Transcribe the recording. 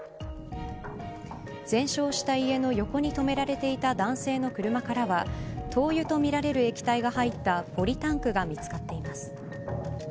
全焼した家の横に停められていた男性の車からは灯油とみられる液体が入ったポリタンクが見つかっています。